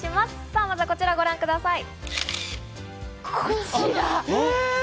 さぁまずはこちらをご覧ください。